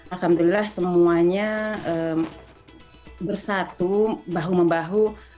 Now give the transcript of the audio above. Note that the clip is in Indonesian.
alhamdulillah semuanya bersatu bahu membahu